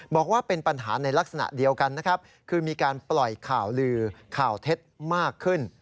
บอกว่าเป็นปัญหาในลักษณะเดียวกันนะครับคือมีการปล่อยข่าวลือข่าวเท็จมากขึ้น